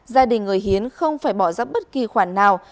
gia đình người hiến không phải bỏ ra bất kỳ khoản nào